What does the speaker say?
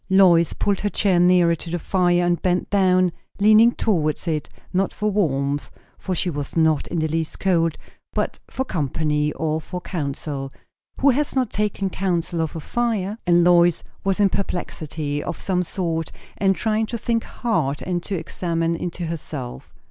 Lois pulled her chair nearer to the fire, and bent down, leaning towards it; not for warmth, for she was not in the least cold; but for company, or for counsel. Who has not taken counsel of a fire? And Lois was in perplexity of some sort, and trying to think hard and to examine into herself.